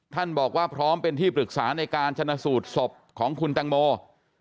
ท่านบอกว่าพร้อมเป็นที่ปรึกษาในการชนะสูตรศพของคุณตังโม